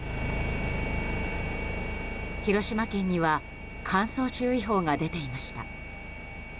広島県には乾燥注意報が出ていました。